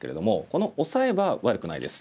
このオサエは悪くないです。